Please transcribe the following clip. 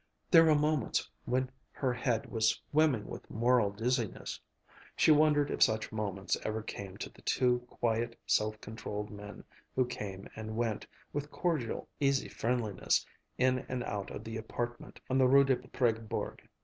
There were moments when her head was swimming with moral dizziness. She wondered if such moments ever came to the two quiet, self controlled men who came and went, with cordial, easy friendliness, in and out of the appartement on the Rue de Presbourg.